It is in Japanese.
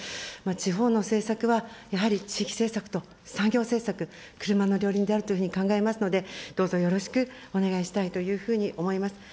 地方の政策は、やはり地域政策と産業政策、車の両輪であるというふうに考えますので、どうぞよろしくお願いしたいというふうに思います。